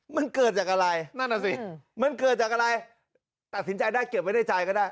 ค่ะมันเกิดจากอะไรมันเกิดจากอะไรตัดสินใจได้เก็บไว้ในใจก็ได้